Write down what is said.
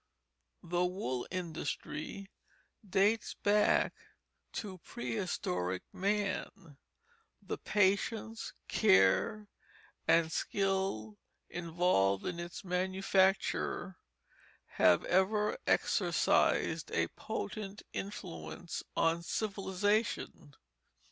The wool industry dates back to prehistoric man. The patience, care, and skill involved in its manufacture have ever exercised a potent influence on civilization.